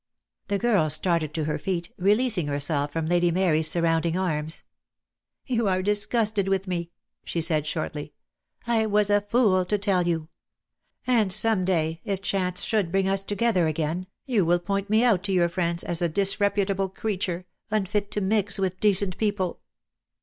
The girl started to her feet, releasing herself from Lady Mary's surrounding arms. "You are disgusted with me," she said shortly. "I was a fool to tell you. And some day, if chance should bring us together again, you will point me out to your friends as a disreputable creature, unfit to mix with decent people."